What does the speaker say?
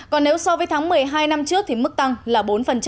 còn nếu so với tháng một mươi hai năm trước thì mức tăng là bốn